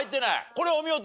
これお見事！